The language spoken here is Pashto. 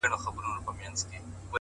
• پيل كي وړه كيسه وه غـم نه وو؛